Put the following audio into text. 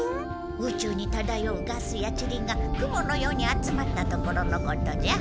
宇宙にただようガスやチリが雲のように集まったところのことじゃ。